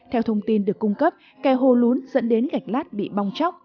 theo thông tin được cung cấp kè hồ lún dẫn đến gạch lát bị bong chóc